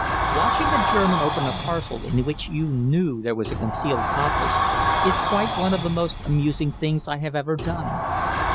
Watching a German open a parcel in which you knew there was a concealed compass is quite one of the most amusing things I have ever done.